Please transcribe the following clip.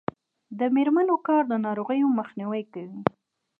د میرمنو کار د ناروغیو مخنیوی کوي.